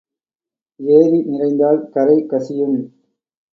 ஏரி நிறைந்தால் கரை கசியும்.